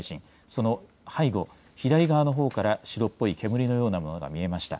その背後、左側のほうから白っぽい煙のようなものが見えました。